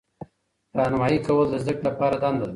راهنمایي کول د زده کړې لپاره دنده ده.